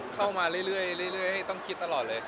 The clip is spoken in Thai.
เข้ามาเรื่อยต้องคิดตลอดเลย